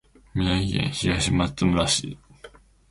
宮城県東松島市